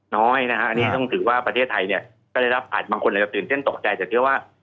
น้อยนะฮะอันนี้ต้องถือว่าประเทศไทยเนี่ยก็ได้รับอาจบางคนอาจจะตื่นเต้นตกใจแต่เชื่อว่า